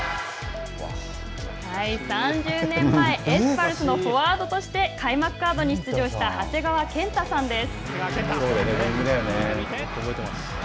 ３０年前、エスパルスのフォワードとして開幕カードに出場した長谷川健太さんです。